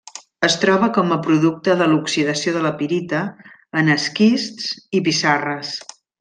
Es troba com a producte de l'oxidació de la pirita en esquists i pissarres.